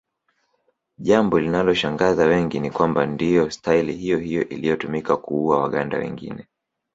Jambo linaloshangaza wengi ni kwamba ndiyo staili hiyohiyo iliyotumika kuua Waganda wengine